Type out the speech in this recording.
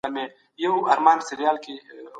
د ناروغیو د مخنیوي لپاره د روغتیایي علومو اړتیا سته.